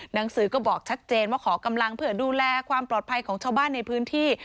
หนังสือก็บอกชัดเจนว่าขอกำลังเผื่อดูแลความปลอดภัยของชาวบ้านในพื้นที่